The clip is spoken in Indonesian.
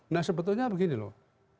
nah sebetulnya begini loh